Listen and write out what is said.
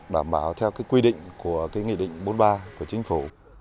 đảm bảo theo quy định của cái nghị định bốn mươi ba của chính phủ